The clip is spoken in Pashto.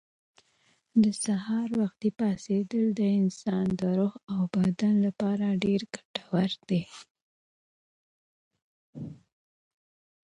د سهار وختي پاڅېدل د انسان د روح او بدن لپاره ډېر ګټور دي.